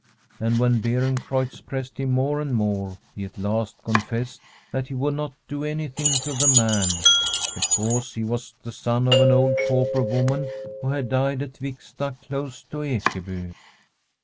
And when Beerencreutz pressed him more and more, he at last confessed that he would not do anything to the man, because he was the son of an old pauper woman who had died at Viksta close to Ekeby.